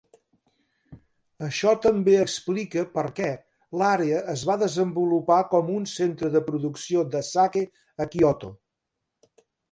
Això també explica per què l'àrea es va desenvolupar com un centre de producció de sake a Kyoto.